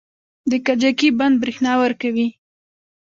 د کجکي بند بریښنا ورکوي